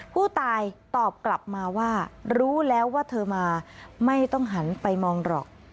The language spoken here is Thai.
ผู้ตายตอบกลับมาว่ารู้แล้วว่าเธอมาไม่ต้องหันไปมองหรอก